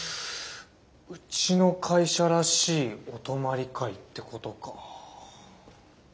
うちの会社らしいお泊まり会ってことか。